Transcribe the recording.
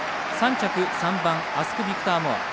３着、３番アスクビクターモア。